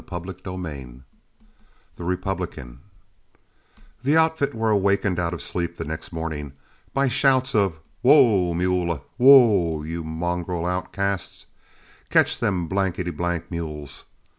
'" CHAPTER XVI THE REPUBLICAN The outfit were awakened out of sleep the next morning by shouts of "Whoa, mula! Whoa, you mongrel outcasts! Catch them blankety blank mules!"